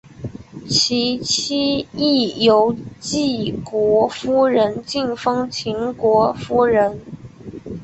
其妻亦由晋国夫人进封秦国夫人。